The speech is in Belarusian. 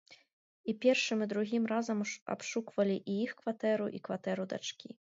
І першым, і другім разам абшуквалі і іх кватэру, і кватэру дачкі.